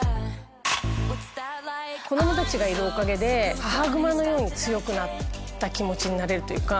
子供たちがいるおかげで母熊のように強くなった気持ちになれるというか。